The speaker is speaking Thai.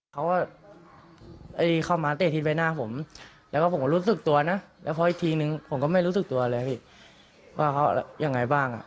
เขาก็เข้ามาเตะที่ใบหน้าผมแล้วก็ผมก็รู้สึกตัวนะแล้วพออีกทีนึงผมก็ไม่รู้สึกตัวเลยพี่ว่าเขายังไงบ้างอ่ะ